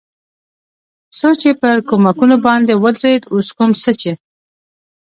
څو چې پر کومکونو باندې ودرېد، اوس کوم څه چې.